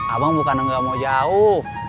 abang bukan nggak mau jauh